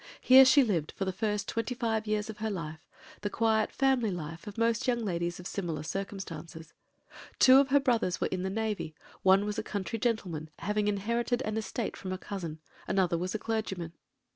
Here she lived, for the first twenty five years of her life, the quiet family life of most young ladies of similar circumstances; two of her brothers were in the Navy, one was a country gentleman, having inherited an estate from a cousin, another was a clergyman.